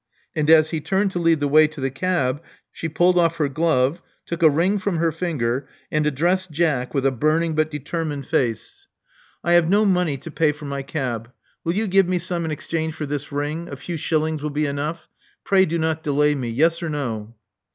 And as he turned to lead the way to the cab, she pulled off her glove ; took a ring from her finger ; and addressed Jack with a burning but determined face. Love Among the Artists 67 I have no money to pay for my cab. Will you give me some in exchange for this ring — a few shil lings will be enough? Pray do not delay me. Yes or no?'